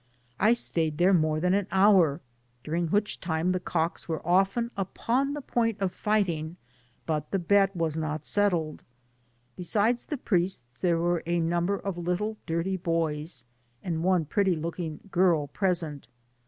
I stayed there more than an hour, during which time the cocks were often upon the point of fighting, but the bet was not settled. Besides the priests, there were a num« ber of little dirty boys, and one pretty looking girl present.